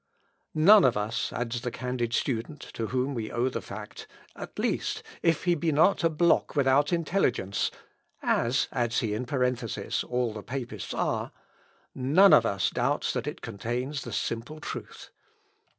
"None of us," adds the candid student to whom we owe the fact, "at least, if he be not a block without intelligence, ('as,' adds he in a parenthesis, 'all the papists are,') none of us doubts that it contains the simple truth.